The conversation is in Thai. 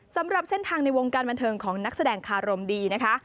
สำหรับเส้นทางในวงการบันเทิงของนักแสดงคารมดีนะคะ